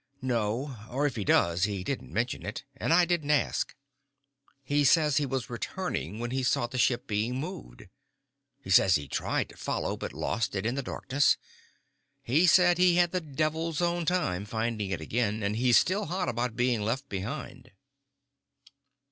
"No. Or if he does, he didn't mention it, and I didn't ask. He says he was returning when he saw the ship being moved. He says he tried to follow, but lost it in the darkness. He says he had the devil's own time finding it again, and he's still hot about being left behind."